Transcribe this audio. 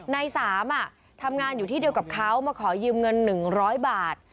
ใน๓ทำงานอยู่ที่เดียวกับเขามาขอยืมเงิน๑๐๐บาท